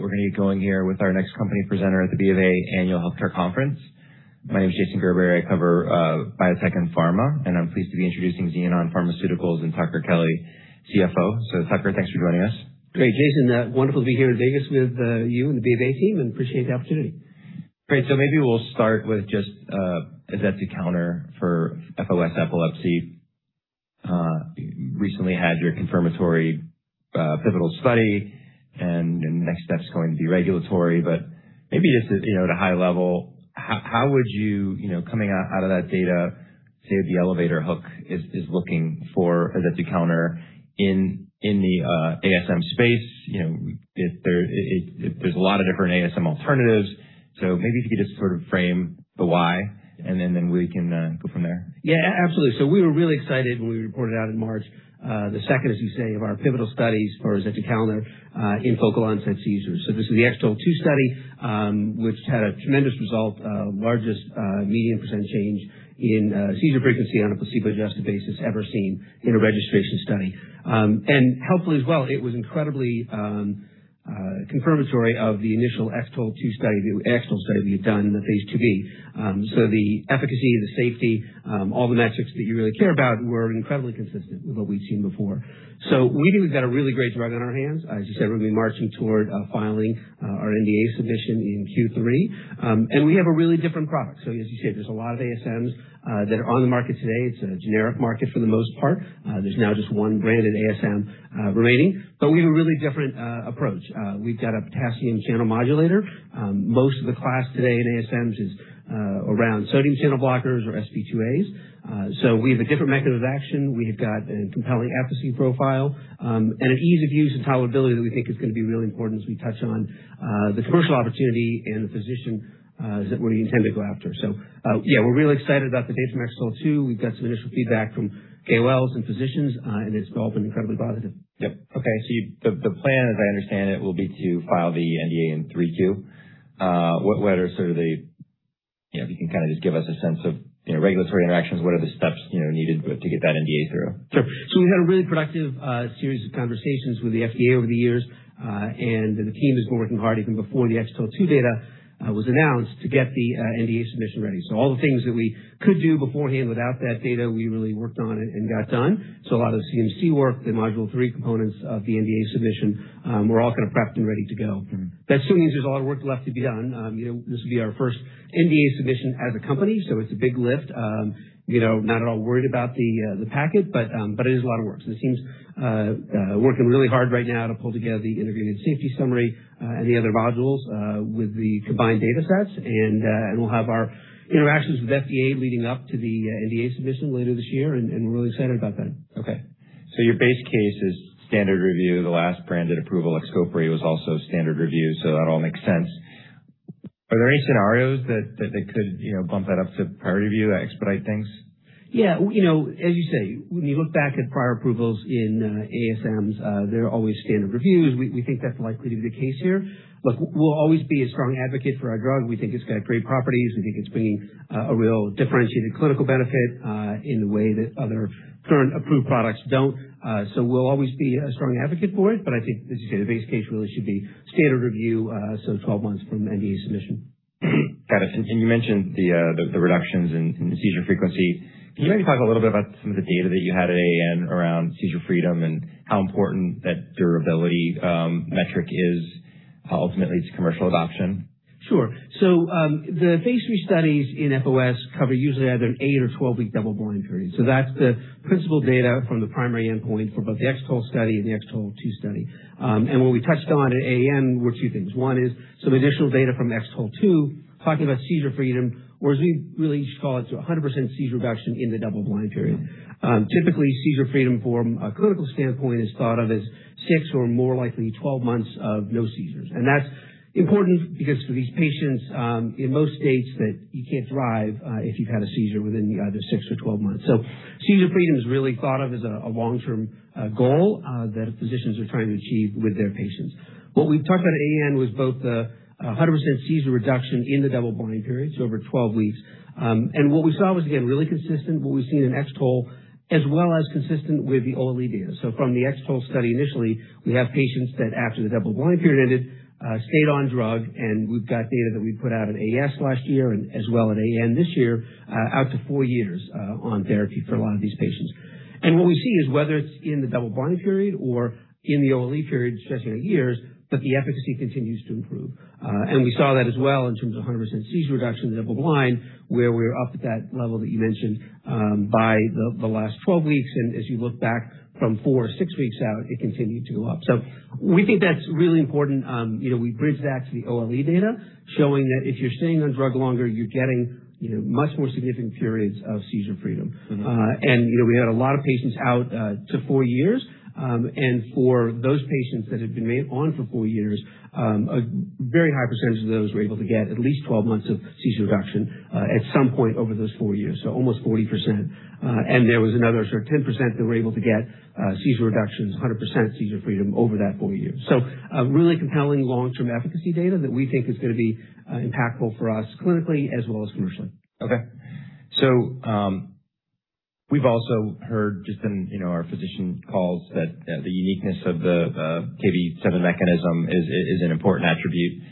We're gonna get going here with our next company presenter at the BofA Annual Healthcare Conference. My name is Jason Gerberry. I cover biotech and pharma, and I'm pleased to be introducing Xenon Pharmaceuticals and Tucker Kelly, CFO. Tucker, thanks for joining us. Great, Jason. Wonderful to be here in Vegas with you and the BofA team and appreciate the opportunity. Great, maybe we'll start with just azetukalner for FOS epilepsy. Recently had your confirmatory pivotal study and the next step's going to be regulatory. Maybe just, you know, at a high level, how would you know, coming out of that data, say the elevator hook is looking for azetukalner in the ASM space. You know, if there's a lot of different ASM alternatives. Maybe if you could just sort of frame the why and then we can go from there. Absolutely. We were really excited when we reported out in March, the second, as you say, of our pivotal studies for azetukalner in focal onset seizures. This is the X-TOLE2 study, which had a tremendous result, largest median percentage change in seizure frequency on a placebo-adjusted basis ever seen in a registration study. Helpful as well, it was incredibly confirmatory of the initial X-TOLE2 study, the X-TOLE study we had done in the phase IIb. The efficacy, the safety, all the metrics that you really care about were incredibly consistent with what we've seen before. We do think we've got a really great drug on our hands. As you said, we're gonna be marching toward filing our NDA submission in Q3. We have a really different product. As you said, there's a lot of ASMs that are on the market today. It's a generic market for the most part. There's now just one branded ASM remaining. We have a really different approach. We've got a potassium channel modulator. Most of the class today in ASMs is around sodium channel blockers or SV2As. We have a different mechanism of action. We've got a compelling efficacy profile, and an ease of use and tolerability that we think is gonna be really important as we touch on the commercial opportunity and the physician that we intend to go after. Yeah, we're really excited about the data from X-TOLE2. We've got some initial feedback from KOLs and physicians, it's all been incredibly positive. Yep. Okay. The, the plan, as I understand it, will be to file the NDA in 2032. What are sort of the You know, if you can kind of just give us a sense of, you know, regulatory interactions, what are the steps you know, needed to get that NDA through? Sure. We've had a really productive series of conversations with the FDA over the years. And the team has been working hard even before the X-TOLE2 data was announced to get the NDA submission ready. All the things that we could do beforehand without that data, we really worked on and got done. A lot of the CMC work, the module three components of the NDA submission, were all kind of prepped and ready to go. That still means there's a lot of work left to be done. You know, this would be our first NDA submission as a company, so it's a big lift. You know, not at all worried about the packet, but it is a lot of work. The team's working really hard right now to pull together the integrated safety summary and the other modules with the combined datasets. We'll have our interactions with FDA leading up to the NDA submission later this year, and we're really excited about that. Okay. Your base case is standard review. The last branded approval, XCOPRI, was also standard review, so that all makes sense. Are there any scenarios that could, you know, bump that up to priority review to expedite things? You know, as you say, when you look back at prior approvals in ASMs, they're always standard reviews. We think that's likely to be the case here. Look, we'll always be a strong advocate for our drug. We think it's got great properties. We think it's bringing a real differentiated clinical benefit in the way that other current approved products don't. So we'll always be a strong advocate for it. I think, as you say, the base case really should be standard review, so 12 months from NDA submission. Got it. You mentioned the reductions in seizure frequency. Can you maybe talk a little bit about some of the data that you had at AAN around seizure freedom and how important that durability metric is ultimately to commercial adoption? Sure. The phase III studies in FOS cover usually either an eight or 12-week double-blind period. That's the principal data from the primary endpoint for both the X-TOLE study and the X-TOLE2 study. What we touched on at AAN were two things. One is some additional data from X-TOLE2 talking about seizure freedom, or as we really call it, a 100% seizure reduction in the double-blind period. Typically, seizure freedom from a clinical standpoint is thought of as six or more likely 12 months of no seizures. That's important because for these patients, in most states that you can't drive, if you've had a seizure within either six or 12 months. Seizure freedom is really thought of as a long-term goal that physicians are trying to achieve with their patients. What we talked about at AAN was both the 100% seizure reduction in the double-blind period, so over 12 weeks. What we saw was, again, really consistent with what we've seen in X-TOLE, as well as consistent with the OLE data. From the X-TOLE study initially, we have patients that after the double-blind period ended, stayed on drug, and we've got data that we put out at AES last year and as well at AAN this year, out to four years, on therapy for a lot of these patients. What we see is whether it's in the double-blind period or in the OLE period stretching out years, but the efficacy continues to improve. We saw that as well in terms of 100% seizure reduction in the double-blind, where we're up at that level that you mentioned by the last 12 weeks. As you look back from four or six weeks out, it continued to go up. We think that's really important. You know, we bridged that to the OLE data, showing that if you're staying on drug longer, you're getting, you know, much more significant periods of seizure freedom. You know, we had a lot of patients out to four years. For those patients that had been on for four years, a very high percentage of those were able to get at least 12 months of seizure reduction at some point over those four years. Almost 40%. There was another sort of 10% that were able to get seizure reductions, 100% seizure freedom over that four years. Really compelling long-term efficacy data that we think is gonna be impactful for us clinically as well as commercially. We've also heard just in, you know, our physician calls that the uniqueness of the Kv7 mechanism is an important attribute.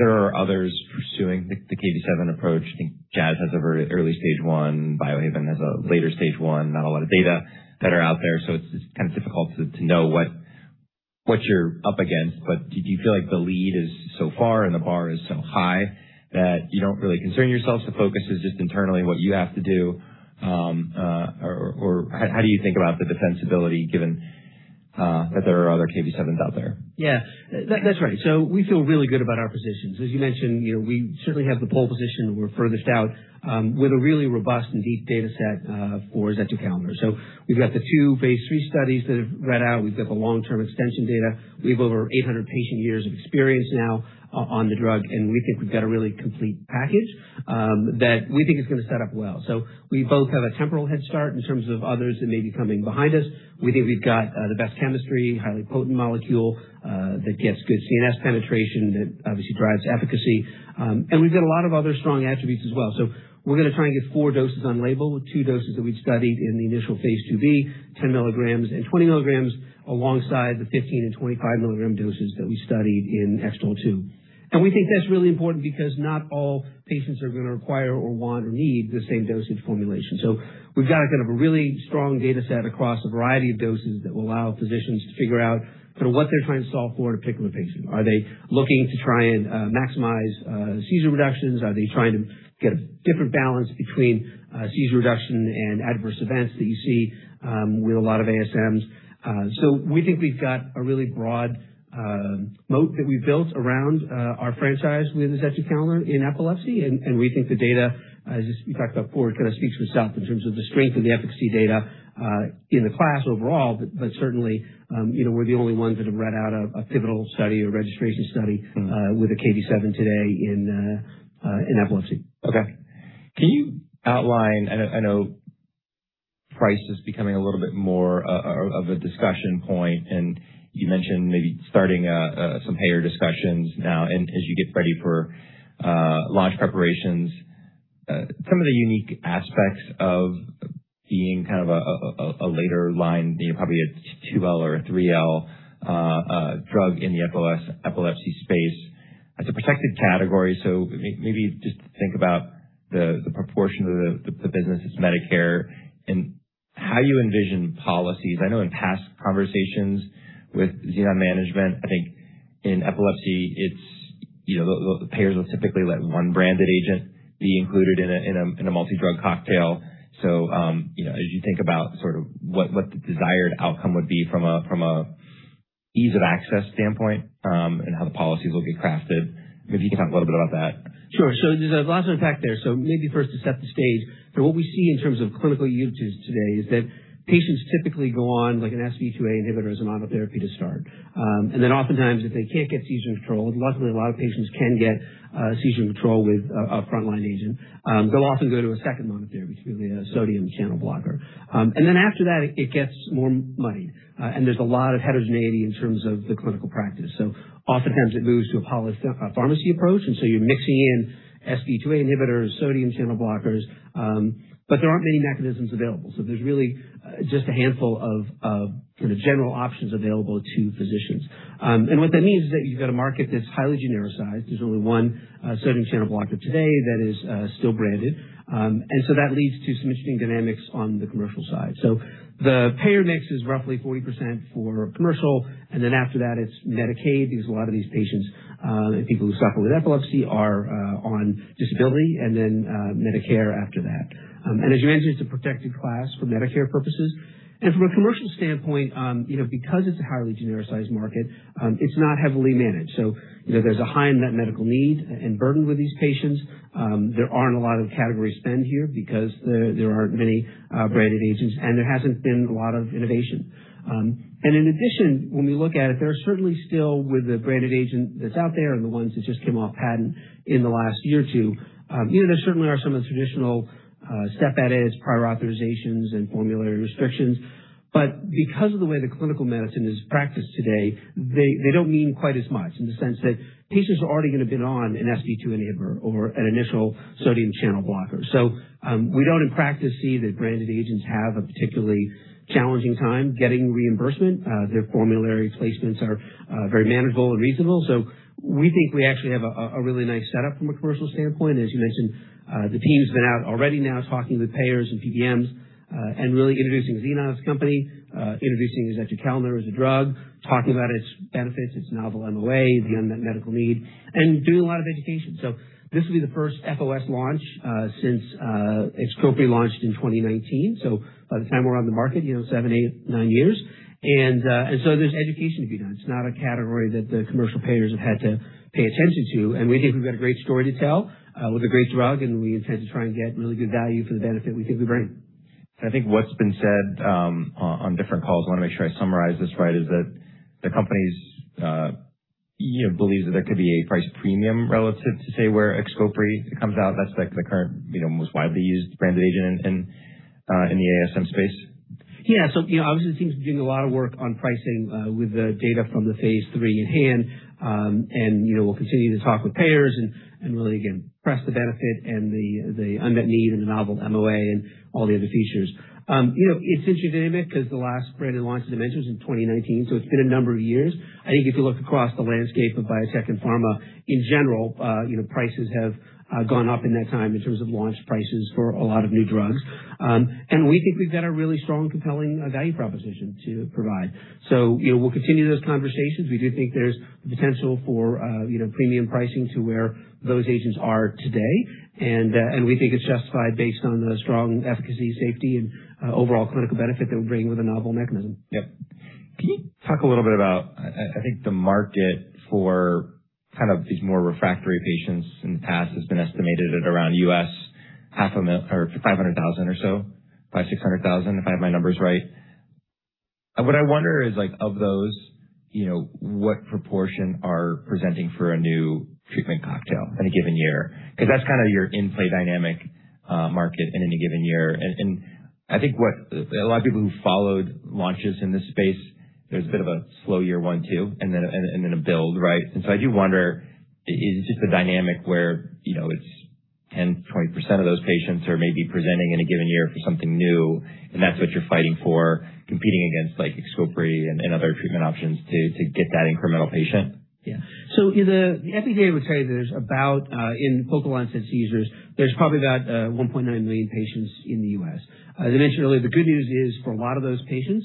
There are others pursuing the Kv7 approach. I think Jazz has a very early stage one. Biohaven has a later stage one. Not a lot of data that are out there, so it's kind of difficult to know what you're up against. Do you feel like the lead is so far and the bar is so high that you don't really concern yourself? The focus is just internally what you have to do, or how do you think about the defensibility given that there are other Kv7s out there? Yeah, that's right. We feel really good about our positions. As you mentioned, you know, we certainly have the pole position. We're furthest out with a really robust and deep data set for azetukalner. We've got the two phase III studies that have read out. We've got the long-term extension data. We have over 800 patient years of experience now on the drug, and we think we've got a really complete package that we think is gonna set up well. We both have a temporal head start in terms of others that may be coming behind us. We think we've got the best chemistry, highly potent molecule that gets good CNS penetration that obviously drives efficacy. We've got a lot of other strong attributes as well. We're gonna try and get four doses on label with two doses that we've studied in the initial phase II-B, 10 mgs and 20 mgs alongside the 15 and 25 mg doses that we studied in X-TOLE2. We think that's really important because not all patients are gonna require or want or need the same dosage formulation. We've got kind of a really strong data set across a variety of doses that will allow physicians to figure out sort of what they're trying to solve for in a particular patient. Are they looking to try and maximize seizure reductions? Are they trying to get a different balance between seizure reduction and adverse events that you see with a lot of ASMs? We think we've got a really broad moat that we built around our franchise with the azetukalner in epilepsy. We think the data, as you talked about before, kind of speaks for itself in terms of the strength of the efficacy data in the class overall. Certainly, you know, we're the only ones that have read out a pivotal study or registration study with a Kv7 today in epilepsy. Okay. Can you outline I know price is becoming a little bit more of a discussion point. You mentioned maybe starting some payer discussions now and as you get ready for launch preparations. Some of the unique aspects of being kind of a later line, you know, probably a two L or a three L drug in the FOS epilepsy space. It's a protected category, maybe just think about the proportion of the business is Medicare and how you envision policies. I know in past conversations with Xenon management, I think in epilepsy it's, you know, the payers will typically let one branded agent be included in a multi-drug cocktail. You know, as you think about sort of what the desired outcome would be from a ease of access standpoint, and how the policies will get crafted. Maybe you can talk a little bit about that. Sure. There's lots of impact there. Maybe first to set the stage. What we see in terms of clinical usage today is that patients typically go on like an SV2A inhibitor as a monotherapy to start. Then oftentimes, if they can't get seizure control, and luckily a lot of patients can get seizure control with a frontline agent, they'll often go to a second monotherapy, usually a sodium channel blocker. Then after that it gets more muddy. There's a lot of heterogeneity in terms of the clinical practice. Oftentimes it moves to a polypharmacy approach. You're mixing in SV2A inhibitors, sodium channel blockers, there aren't many mechanisms available. There's really just a handful of kind of general options available to physicians. What that means is that you've got a market that's highly genericized. There's only one sodium channel blocker today that is still branded. That leads to some interesting dynamics on the commercial side. The payer mix is roughly 40% for commercial, and then after that it's Medicaid, because a lot of these patients, and people who suffer with epilepsy are on disability and then Medicare after that. As you mentioned, it's a protected class for Medicare purposes. From a commercial standpoint, you know, because it's a highly genericized market, it's not heavily managed. You know, there's a high unmet medical need and burden with these patients. There aren't a lot of category spend here because there aren't many branded agents and there hasn't been a lot of innovation. In addition, when we look at it, there are certainly still with the branded agent that's out there and the ones that just came off patent in the last one or two, you know, there certainly are some of the traditional step edits, prior authorizations and formulary restrictions. Because of the way the clinical medicine is practiced today, they don't mean quite as much in the sense that patients are already going to have been on an SV2A inhibitor or an initial sodium channel blocker. We don't in practice see that branded agents have a particularly challenging time getting reimbursement. Their formulary placements are very manageable and reasonable. We think we actually have a really nice setup from a commercial standpoint as you mentioned. The team's been out already now talking with payers and PBMs, and really introducing Xenon as a company, introducing azetukalner as a drug, talking about its benefits, its novel MOA, the unmet medical need, and doing a lot of education. This will be the first FOS launch since XCOPRI launched in 2019. By the time we're on the market, you know, seven, eight, nine years. There's education to be done. It's not a category that the commercial payers have had to pay attention to. We think we've got a great story to tell with a great drug, and we intend to try and get really good value for the benefit we think we bring. I think what's been said, on different calls, I wanna make sure I summarize this right, is that the company's, you know, believes that there could be a price premium relative to say where XCOPRI comes out. That's like the current, you know, most widely used branded agent in the ASM space. Yeah. You know, obviously the team's been doing a lot of work on pricing, with the data from the phase III in hand. You know, we'll continue to talk with payers and really, again, press the benefit and the unmet need and the novel MOA and all the other features. You know, it's interesting because the last branded launch of Dimensions was in 2019, it's been a number of years. I think if you look across the landscape of biotech and pharma in general, you know, prices have gone up in that time in terms of launch prices for a lot of new drugs. We think we've got a really strong, compelling, value proposition to provide. You know, we'll continue those conversations. We do think there's potential for, you know, premium pricing to where those agents are today. We think it's justified based on the strong efficacy, safety and overall clinical benefit that we bring with a novel mechanism. Yep. Can you talk a little bit about, I think the market for kind of these more refractory patients in the past has been estimated at around U.S. half a million or $500,000 or so, $500,000-$600,000, if I have my numbers right. What I wonder is like of those, you know, what proportion are presenting for a new treatment cocktail in a given year? That's kind of your in-play dynamic market in any given year. I think what a lot of people who followed launches in this space, there's a bit of a slow year one, two, and then a build, right? I do wonder, is it just a dynamic where, you know, it's 10%, 20% of those patients are maybe presenting in a given year for something new, and that's what you're fighting for, competing against like XCOPRI and other treatment options to get that incremental patient? Yeah. The FDA would say there's about in focal onset seizures, there's probably about 1.9 million patients in the U.S. As I mentioned earlier, the good news is for a lot of those patients,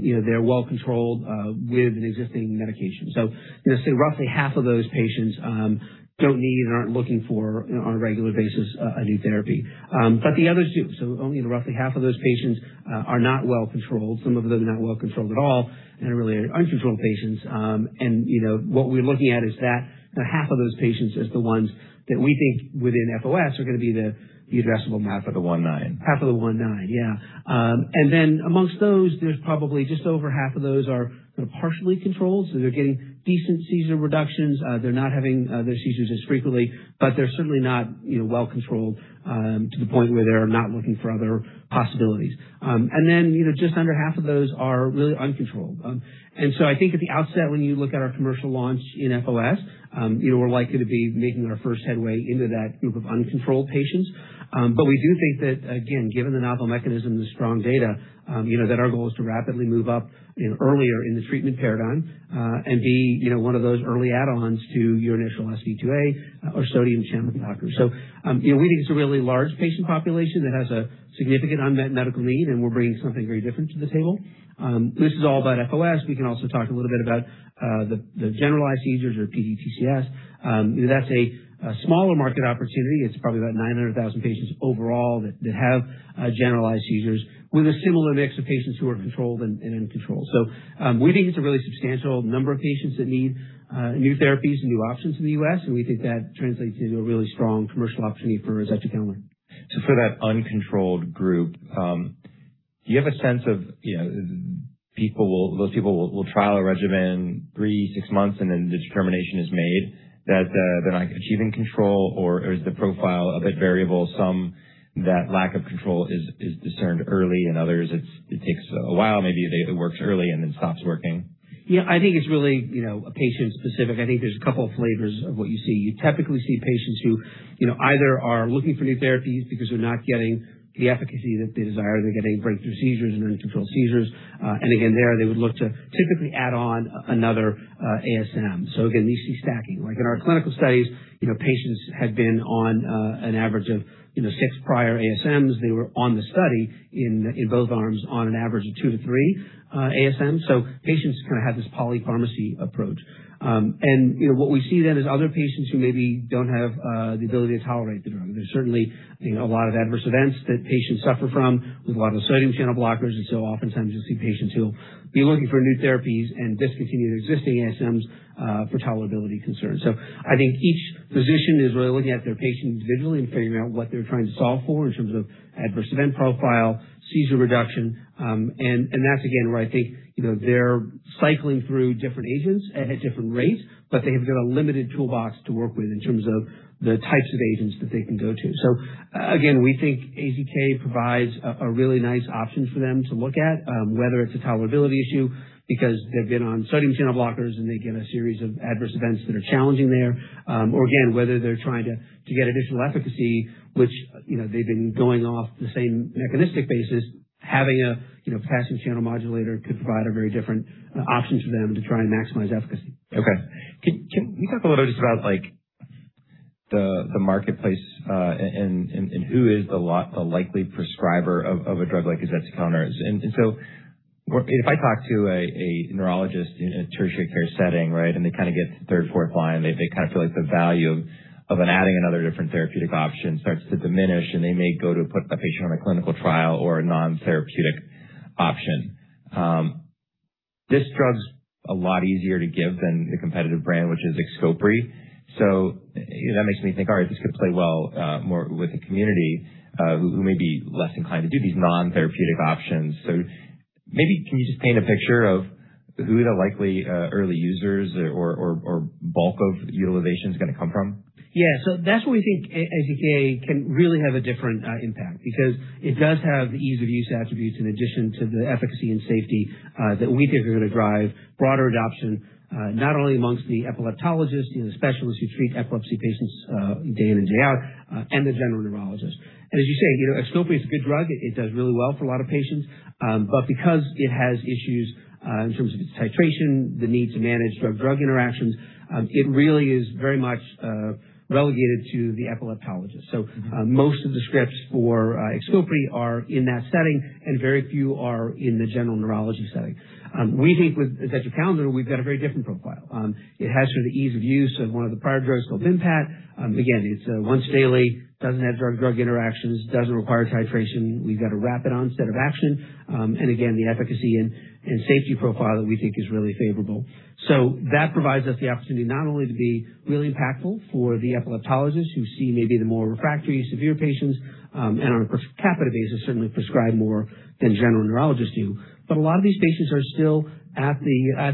you know, they're well controlled with an existing medication. I'd say roughly half of those patients don't need and aren't looking for on a regular basis a new therapy. The others do. Only roughly half of those patients are not well controlled. Some of them are not well controlled at all and are really uncontrolled patients. You know, what we're looking at is that the half of those patients is the ones that we think within FOS are going to be the. Half of the one nine. Half of the one nine. Amongst those, there's probably just over half of those are kind of partially controlled. They're getting decent seizure reductions. They're not having those seizures as frequently, but they're certainly not, you know, well controlled to the point where they're not looking for other possibilities. You know, just under half of those are really uncontrolled. I think at the outset, when you look at our commercial launch in FOS, you know, we're likely to be making our first headway into that group of uncontrolled patients. We do think that again, given the novel mechanism, the strong data, you know, that our goal is to rapidly move up, you know, earlier in the treatment paradigm, and be, you know, one of those early add-ons to your initial SV2A or sodium channel blocker. You know, we think it's a really large patient population that has a significant unmet medical need, and we're bringing something very different to the table. This is all about FOS. We can also talk a little bit about the generalized seizures or PGTCS. That's a smaller market opportunity. It's probably about 900,000 patients overall that have generalized seizures with a similar mix of patients who are controlled and uncontrolled. We think it's a really substantial number of patients that need, new therapies and new options in the U.S., and we think that translates into a really strong commercial opportunity for azetukalner. For that uncontrolled group, do you have a sense of, you know, those people will trial a regimen three, six months, and then the determination is made that they're not achieving control, or is the profile a bit variable? Some that lack of control is discerned early, in others it takes a while. Maybe it works early and then stops working. Yeah, I think it's really, you know, patient specific. I think there's a couple of flavors of what you see. You typically see patients who, you know, either are looking for new therapies because they're not getting the efficacy that they desire. They're getting breakthrough seizures and uncontrolled seizures. Again, there they would look to typically add on another ASM. Again, you see stacking. Like in our clinical studies, you know, patients had been on an average of, you know, six prior ASMs. They were on the study in both arms on an average of 2-3 ASMs. Patients kind of have this polypharmacy approach. You know, what we see then is other patients who maybe don't have the ability to tolerate the drug. There's certainly, you know, a lot of adverse events that patients suffer from with a lot of the sodium channel blockers. Oftentimes you'll see patients who'll be looking for new therapies and discontinue their existing ASMs for tolerability concerns. I think each physician is really looking at their patient individually and figuring out what they're trying to solve for in terms of adverse event profile, seizure reduction. And that's again, where I think, you know, they're cycling through different agents at different rates, but they have got a limited toolbox to work with in terms of the types of agents that they can go to. Again, we think AZK provides a really nice option for them to look at, whether it's a tolerability issue because they've been on sodium channel blockers and they get a series of adverse events that are challenging there. Or again, whether they're trying to get additional efficacy, which, you know, they've been going off the same mechanistic basis. Having a, you know, potassium channel modulator could provide a very different option to them to try and maximize efficacy. Can you talk a little bit just about like the marketplace, and who is the likely prescriber of a drug like azetukalner? If I talk to a neurologist in a tertiary care setting, right? They kind of get to third, fourth line, they kind of feel like the value of adding another different therapeutic option starts to diminish, and they may go to put the patient on a clinical trial or a non-therapeutic option. This drug's a lot easier to give than the competitive brand, which is XCOPRI. That makes me think, all right, this could play well more with the community, who may be less inclined to do these non-therapeutic options. Maybe can you just paint a picture of who are the likely, early users or bulk of utilization is going to come from? Yeah. That's where we think AZK can really have a different impact because it does have the ease of use attributes in addition to the efficacy and safety that we think are going to drive broader adoption not only amongst the epileptologists, you know, the specialists who treat epilepsy patients day in and day out, and the general neurologist. As you say, you know, XCOPRI is a good drug. It does really well for a lot of patients. Because it has issues in terms of its titration, the need to manage drug-drug interactions, it really is very much relegated to the epileptologist. Most of the scripts for XCOPRI are in that setting, very few are in the general neurology setting. We think with azetukalner, we've got a very different profile. It has sort of ease of use of one of the prior drugs called Vimpat. Again, it's once daily, doesn't have drug-drug interactions, doesn't require titration. We've got a rapid onset of action. Again, the efficacy and safety profile that we think is really favorable. That provides us the opportunity not only to be really impactful for the epileptologists who see maybe the more refractory severe patients, and on a per capita basis, certainly prescribe more than general neurologists do. A lot of these patients are still at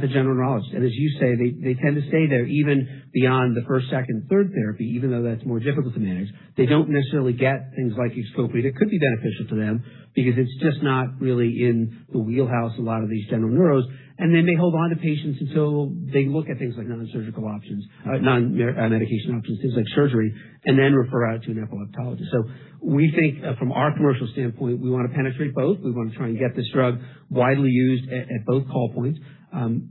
the general neurologist. As you say, they tend to stay there even beyond the first, second, and third therapy, even though that's more difficult to manage. They don't necessarily get things like XCOPRI that could be beneficial to them because it's just not really in the wheelhouse a lot of these general neuros. They may hold onto patients until they look at things like non-surgical options, medication options, things like surgery, and then refer out to an epileptologist. We think from our commercial standpoint, we want to penetrate both. We want to try and get this drug widely used at both call points.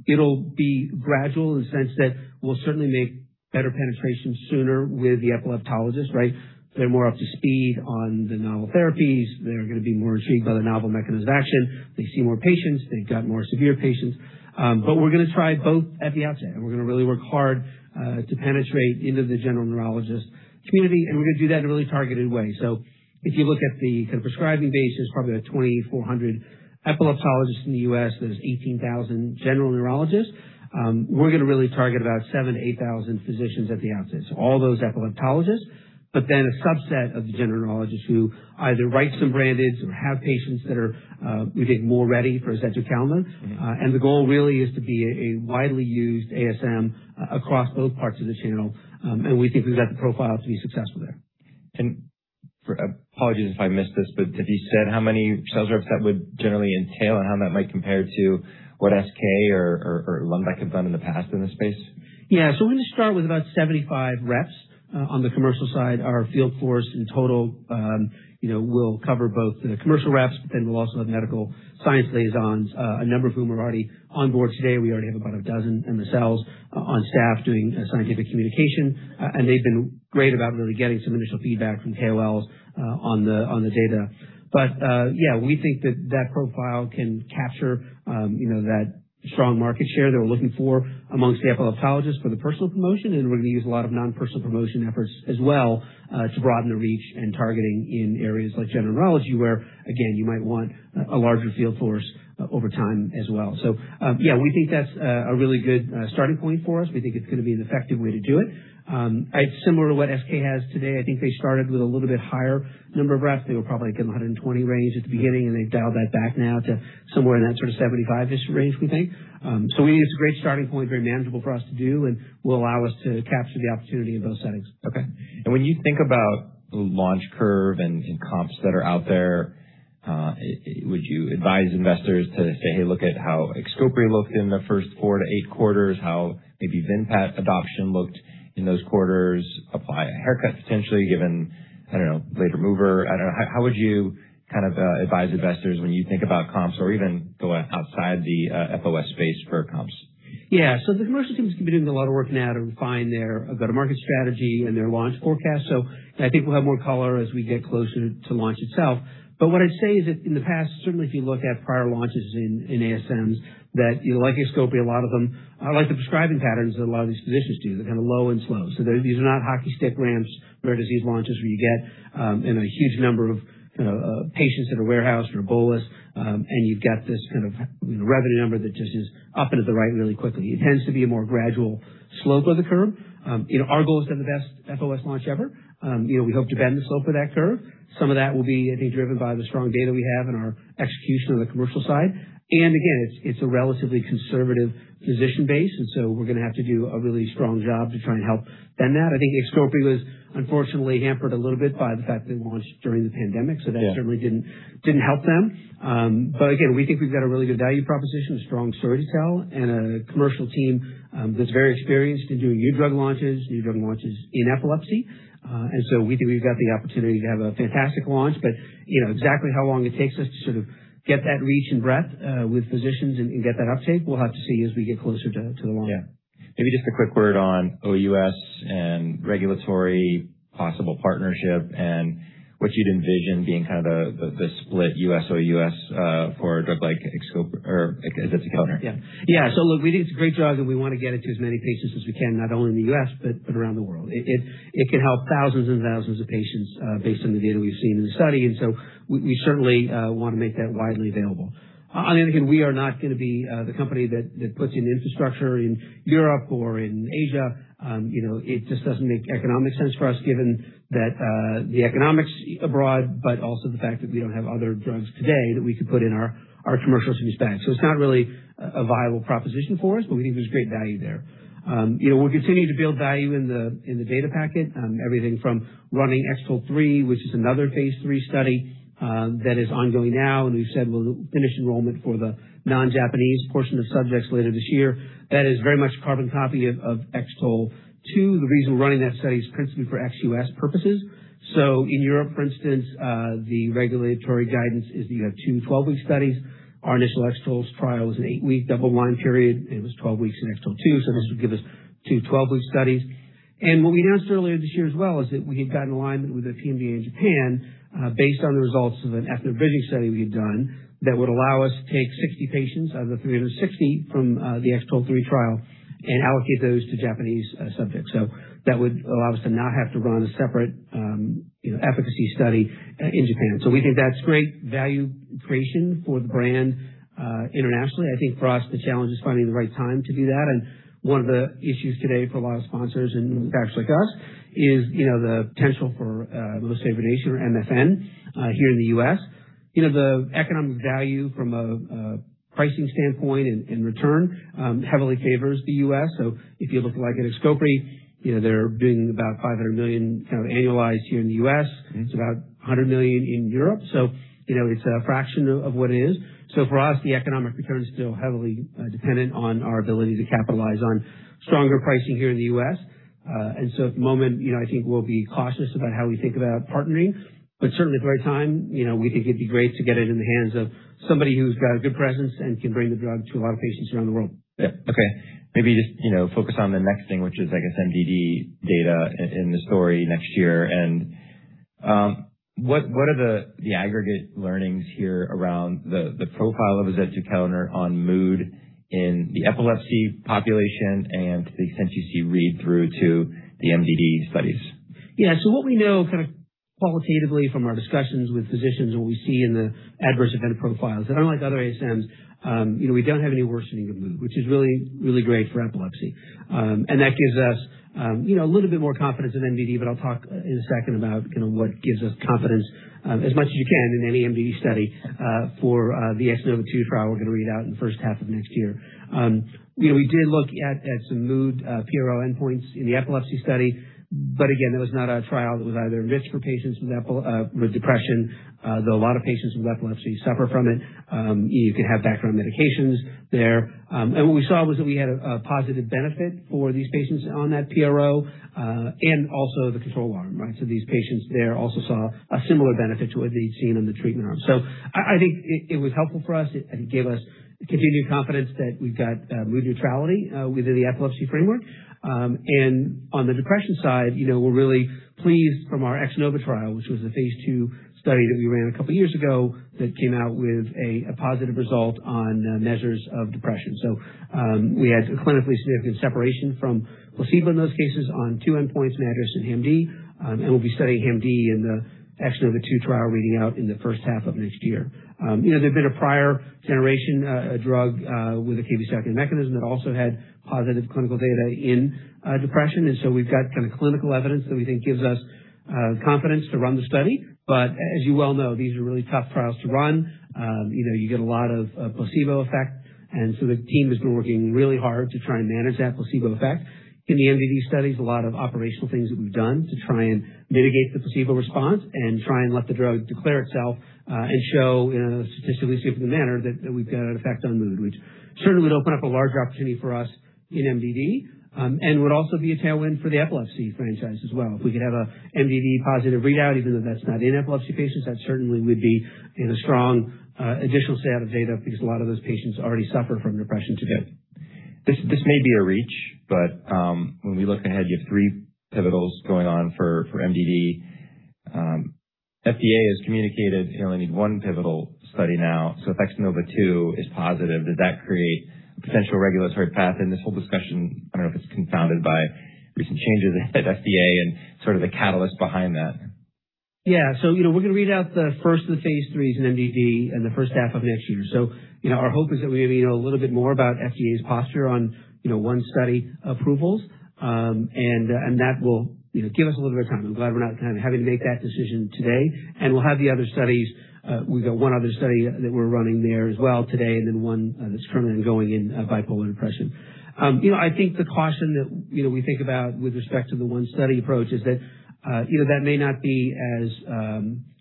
It'll be gradual in the sense that we'll certainly make better penetration sooner with the epileptologists, right? They're more up to speed on the novel therapies. They're going to be more intrigued by the novel mechanism of action. They see more patients. They've got more severe patients. We're going to try both at the outset, and we're going to really work hard to penetrate into the general neurologist community, and we're going to do that in a really targeted way. If you look at the kind of prescribing base, there's probably about 2,400 epileptologists in the U.S. There's 18,000 general neurologists. We're going to really target about 7,000, 8,000 physicians at the outset. All those epileptologists, but then a subset of the general neurologists who either write some branded or have patients that are, we think more ready for azetukalner. The goal really is to be a widely used ASM across both parts of the channel. We think we've got the profile to be successful there. Apologies if I missed this, but have you said how many sales reps that would generally entail and how that might compare to what SK or Lundbeck have done in the past in this space? Yeah. We're going to start with about 75 reps on the commercial side. Our field force in total, you know, will cover both the commercial reps, but then we'll also have Medical Science Liaisons, a number of whom are already on board today. We already have about 12 MSLs on staff doing scientific communication. They've been great about really getting some initial feedback from KOLs on the data. Yeah, we think that that profile can capture, you know, that strong market share that we're looking for amongst the epileptologists for the personal promotion. We're going to use a lot of non-personal promotion efforts as well to broaden the reach and targeting in areas like general neurology, where again, you might want a larger field force over time as well. Yeah, we think that's a really good starting point for us. We think it's going to be an effective way to do it. It's similar to what SK has today. I think they started with a little bit higher number of reps. They were probably like in the 120 range at the beginning, and they've dialed that back now to somewhere in that sort of 75-ish range, we think. We think it's a great starting point, very manageable for us to do, and will allow us to capture the opportunity in both settings. When you think about launch curve and comps that are out there, would you advise investors to say, hey, look at how XCOPRI looked in the first four to eight quarters, how maybe Vimpat adoption looked in those quarters. Apply a haircut potentially given, I don't know, later mover. I don't know. How would you kind of advise investors when you think about comps or even go outside the FOS space for comps? Yeah. The commercial team's going to be doing a lot of work now to refine their go-to-market strategy and their launch forecast. I think we'll have more color as we get closer to launch itself. What I'd say is that in the past, certainly if you look at prior launches in ASMs that, you know, like XCOPRI, I like the prescribing patterns that a lot of these physicians do. They're kind of low and slow. These are not hockey stick ramps, rare disease launches where you get, you know, a huge number of patients that are warehoused or bolus, and you've got this kind of, you know, revenue number that just is up into the right really quickly. It tends to be a more gradual slope of the curve. You know, our goal is to have the best FOS launch ever. You know, we hope to bend the slope of that curve. Some of that will be, I think, driven by the strong data we have and our execution on the commercial side. Again, it's a relatively conservative physician base, so we're going to have to do a really strong job to try and help bend that. I think XCOPRI was unfortunately hampered a little bit by the fact that it launched during the pandemic. Yeah. That certainly didn't help them. Again, we think we've got a really good value proposition, a strong story to tell, and a commercial team that's very experienced in doing new drug launches, new drug launches in epilepsy. We think we've got the opportunity to have a fantastic launch. You know, exactly how long it takes us to sort of get that reach and breadth with physicians and get that uptake, we'll have to see as we get closer to the launch. Yeah. Maybe just a quick word on OUS and regulatory possible partnership and what you'd envision being kind of the split U.S. OUS, for a drug like XCOPRI or azetukalner. Look, we think it's a great drug, and we want to get it to as many patients as we can, not only in the U.S. but around the world. It can help thousands and thousands of patients, based on the data we've seen in the study, and so we certainly want to make that widely available. On the other hand, we are not going to be the company that puts in infrastructure in Europe or in Asia. You know, it just doesn't make economic sense for us given that the economics abroad, but also the fact that we don't have other drugs today that we could put in our commercial service bag. It's not really a viable proposition for us, but we think there's great value there. You know, we'll continue to build value in the, in the data packet, everything from running X-TOLE3, which is another phase III study, that is ongoing now. We've said we'll finish enrollment for the non-Japanese portion of subjects later this year. That is very much a carbon copy of X-TOLE2. The reason we're running that study is principally for ex-U.S. purposes. In Europe, for instance, the regulatory guidance is that you have two 12-week studies. Our initial X-TOLE trial was an eight-week double-blind period. It was 12 weeks in X-TOLE2. This would give us two 12-week studies. What we announced earlier this year as well is that we had gotten alignment with the PMDA in Japan, based on the results of an ethnobridging study we had done that would allow us to take 60 patients out of the 360 from the X-TOLE3 trial and allocate those to Japanese subjects. That would allow us to not have to run a separate, you know, efficacy study in Japan. We think that's great value creation for the brand internationally. I think for us the challenge is finding the right time to do that. One of the issues today for a lot of sponsors and in fact like us is, you know, the potential for Most-Favored-Nation or MFN here in the U.S. You know, the economic value from a pricing standpoint in return heavily favors the U.S. If you look like an XCOPRI, you know, they're doing about $500 million kind of annualized here in the U.S. It's about $100 million in Europe. You know, it's a fraction of what it is. For us, the economic return is still heavily dependent on our ability to capitalize on stronger pricing here in the U.S. At the moment, you know, I think we'll be cautious about how we think about partnering. Certainly at the right time, you know, we think it'd be great to get it in the hands of somebody who's got a good presence and can bring the drug to a lot of patients around the world. Yeah. Okay. Maybe just, you know, focus on the next thing, which is I guess, MDD data in the story next year. What are the aggregate learnings here around the profile of azetukalner on mood in the epilepsy population and the extent you see read through to the MDD studies? Yeah. What we know kind of qualitatively from our discussions with physicians and what we see in the adverse event profiles that unlike other ASMs, you know, we don't have any worsening of mood, which is really, really great for epilepsy. And that gives us, you know, a little bit more confidence in MDD, but I'll talk in a second about, you know, what gives us confidence as much as you can in any MDD study for the X-NOVA2 trial we're going to read out in the first half of next year. You know, we did look at some mood PRO endpoints in the epilepsy study, but again, that was not a trial that was either enriched for patients with depression. Though a lot of patients with epilepsy suffer from it, you know, you could have background medications there. What we saw was that we had a positive benefit for these patients on that PRO, and also the control arm, right? These patients there also saw a similar benefit to what they'd seen in the treatment arm. I think it was helpful for us. It, I think, gave us continued confidence that we've got mood neutrality within the epilepsy framework. On the depression side, you know, we're really pleased from our X-NOVA trial, which was the phase II study that we ran a couple years ago that came out with a positive result on measures of depression. We had clinically significant separation from placebo in those cases on two endpoints, MADRS and HAM-D. We'll be studying HAM-D in the X-NOVA2 trial reading out in the first half of next year. You know, there'd been a prior generation drug with a Kv7 mechanism that also had positive clinical data in depression. We've got kind of clinical evidence that we think gives us confidence to run the study. As you well know, these are really tough trials to run. You know, you get a lot of placebo effect. The team has been working really hard to try and manage that placebo effect in the MDD studies. A lot of operational things that we've done to try and mitigate the placebo response and try and let the drug declare itself, and show in a statistically significant manner that we've got an effect on mood, which certainly would open up a larger opportunity for us in MDD, and would also be a tailwind for the epilepsy franchise as well. If we could have a MDD positive readout, even though that's not in epilepsy patients, that certainly would be, you know, strong, additional set of data because a lot of those patients already suffer from depression today. This may be a reach, but when we look ahead, you have three pivotals going on for MDD. FDA has communicated you only need one pivotal study now. If X-NOVA2 is positive, does that create a potential regulatory path? This whole discussion, I don't know if it's confounded by recent changes at FDA and sort of the catalyst behind that. Yeah. You know, we're going to read out the first of the phase III in MDD in the first half of next year. You know, our hope is that we may know a little bit more about FDA's posture on, you know, one study approvals. And that will, you know, give us a little bit of time. I'm glad we're not kind of having to make that decision today. We'll have the other studies. We've got one other study that we're running there as well today, and then one that's currently ongoing in bipolar depression. You know, I think the caution that, you know, we think about with respect to the one study approach is that, you know, that may not be as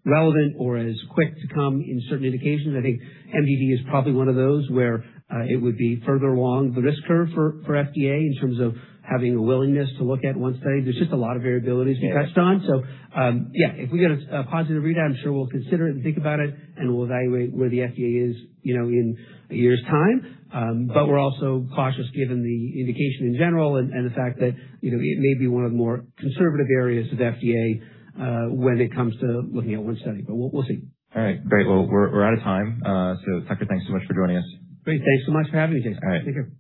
relevant or as quick to come in certain indications. I think MDD is probably one of those where it would be further along the risk curve for FDA in terms of having a willingness to look at one study. There's just a lot of variabilities to touch on. Yeah, if we get a positive readout, I'm sure we'll consider it and think about it, and we'll evaluate where the FDA is, you know, in a year's time. We're also cautious given the indication in general and the fact that, you know, it may be one of the more conservative areas of FDA when it comes to looking at one study, we'll see. All right, great. Well, we're out of time. Tucker, thanks so much for joining us. Great. Thanks so much for having me, Jason. All right. Take care.